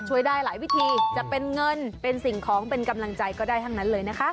ได้หลายวิธีจะเป็นเงินเป็นสิ่งของเป็นกำลังใจก็ได้ทั้งนั้นเลยนะคะ